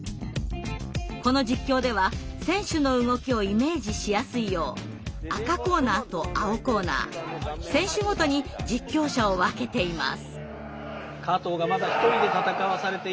この実況では選手の動きをイメージしやすいよう赤コーナーと青コーナー選手ごとに実況者を分けています。